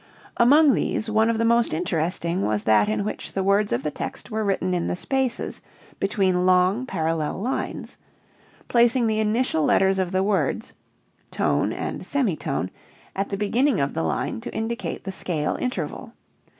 Among these one of the most interesting was that in which the words of the text were written in the spaces between long, parallel lines, placing the initial letters of the words tone and semi tone at the beginning of the line to indicate the scale interval.